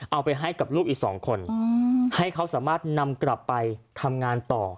เอาไปให้กับลูกอีกสองคนให้เขาสามารถนำกลับไปทำงานต่อ